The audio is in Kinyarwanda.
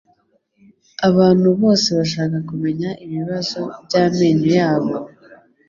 abantu bose bashaka kumenya ibibazo by'amenyo yabo,